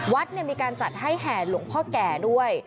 วัดมีการจัดให้แห่หลวงพ่อแก่ด้วย